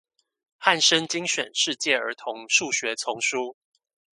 漢聲精選世界兒童數學叢書